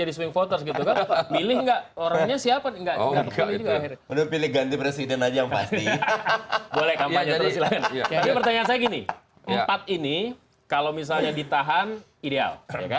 jadi pertanyaan saya gini empat ini kalau misalnya ditahan ideal